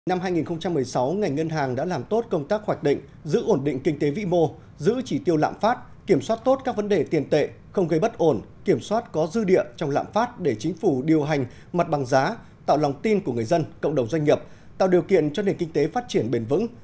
năm hai nghìn một mươi sáu ngành ngân hàng đã làm tốt công tác hoạch định giữ ổn định kinh tế vĩ mô giữ chỉ tiêu lạm phát kiểm soát tốt các vấn đề tiền tệ không gây bất ổn kiểm soát có dư địa trong lạm phát để chính phủ điều hành mặt bằng giá tạo lòng tin của người dân cộng đồng doanh nghiệp tạo điều kiện cho nền kinh tế phát triển bền vững